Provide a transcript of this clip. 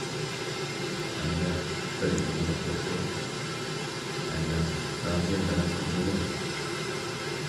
-ئەنۋەر بىرەر يېڭىلىق يوقتۇ؟ -ئەنۋەر رازىيە بەلەن قىز جۇمۇ.